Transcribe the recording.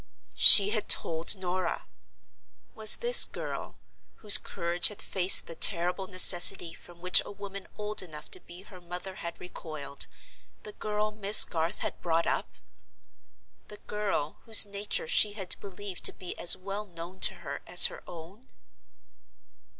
She had told Norah! Was this girl, whose courage had faced the terrible necessity from which a woman old enough to be her mother had recoiled, the girl Miss Garth had brought up? the girl whose nature she had believed to be as well known to her as her own?